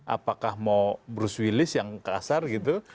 apakah mau bruce willis yang kasar gitu